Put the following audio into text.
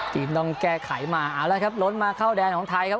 ต้องแก้ไขมาเอาละครับล้นมาเข้าแดนของไทยครับ